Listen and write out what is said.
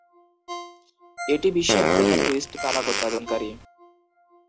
এটি বিশ্বের প্রধান টুইস্ট তামাক উৎপাদনকারী।